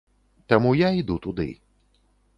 Таму я іду туды.